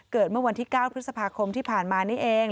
เมื่อวันที่๙พฤษภาคมที่ผ่านมานี่เอง